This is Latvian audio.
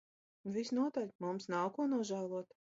Visnotaļ, mums nav ko nožēlot.